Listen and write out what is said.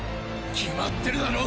決まってるだろ